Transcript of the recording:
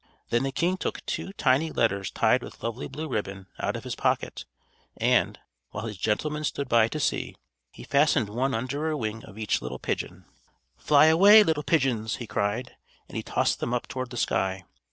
Then the king took two tiny letters tied with lovely blue ribbon out of his pocket; and, while his gentlemen stood by to see, he fastened one under a wing of each little pigeon. "Fly away, little pigeons!" he cried; and he tossed them up toward the sky.